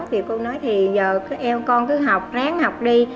thì cô nói thì giờ con cứ học ráng học đi